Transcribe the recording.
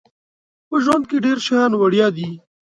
په ژوند کې ډیر شیان وړيا دي